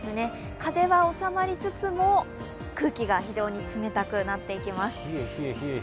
風は収まりつつも空気が非常に冷たくなっていきます。